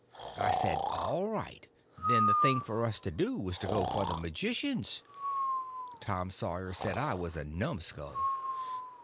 I said, all right; then the thing for us to do was to go for the magicians. Tom Sawyer said I was a numskull.